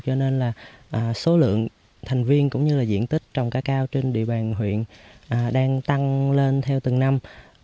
cho nên là số lượng thành viên cũng như là diện tích trồng cây cao trên địa bàn huyện đang tăng lên theo từng năm